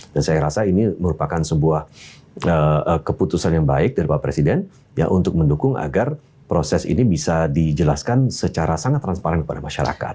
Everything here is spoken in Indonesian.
dan saya rasa ini merupakan sebuah keputusan yang baik dari pak presiden ya untuk mendukung agar proses ini bisa dijelaskan secara sangat transparan kepada masyarakat